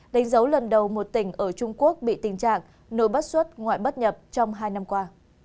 đánh dấu lần đầu một tỉnh ở trung quốc bị tình trạng nổi bất xuất ngoại bất nhập trong hai năm qua